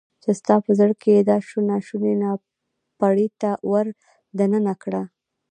چې ستا په زړه کې يې دا ناشونی ناپړیته ور دننه کړه.